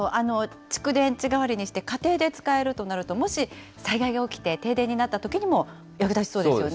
蓄電池代わりにして、家庭で使えるとなると、もし災害が起きて停電になったときにも役立ちそうですよね。